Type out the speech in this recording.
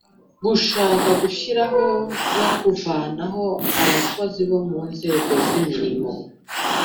Gushaka gushyiraho no kuvanaho abakozi bo mu nzego z imirimo